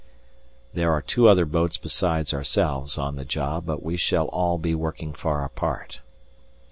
There are two other boats besides ourselves on the job, but we shall all be working far apart.